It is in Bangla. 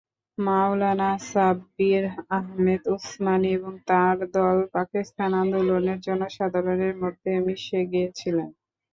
মাওলানা শাব্বির আহমেদ উসমানি এবং তার দল পাকিস্তান আন্দোলনের জনসাধারণের মধ্যে মিশে গিয়েছিলেন।